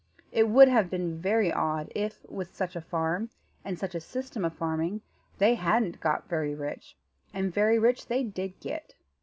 It would have been very odd, if with such a farm, and such a system of farming, they hadn't got very rich; and very rich they did get.